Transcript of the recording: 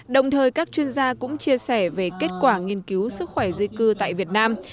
đồng thời các chuyên gia cũng chia sẻ về kết quả nghiên cứu sức khỏe di cư tại việt nam